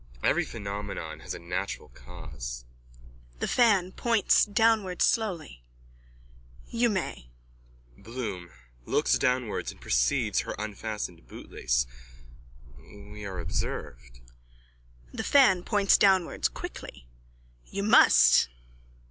Every phenomenon has a natural cause. THE FAN: (Points downwards slowly.) You may. BLOOM: (Looks downwards and perceives her unfastened bootlace.) We are observed. THE FAN: (Points downwards quickly.) You must.